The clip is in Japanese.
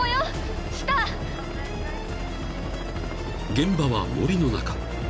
［現場は森の中］